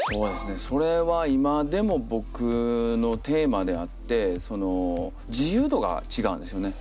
それは今でも僕のテーマであって自由度が違うんですよね。